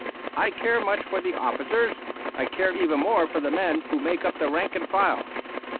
I care much for the officers; I care even more for the men who make up the rank and file.